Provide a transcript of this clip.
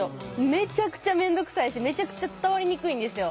めちゃくちゃ面倒くさいしめちゃくちゃ伝わりにくいんですよ。